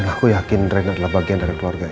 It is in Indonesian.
dan aku yakin reina adalah bagian dari keluarga ini